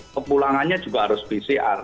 kepulangannya juga harus pcr